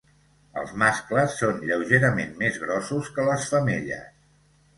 Els mascles són lleugerament més grossos que les femelles.